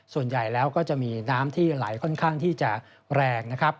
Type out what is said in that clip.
ส่วนใหญ่แล้วก็จะมีน้ำที่ไหลค่อนข้างที่จะแรงนะครับ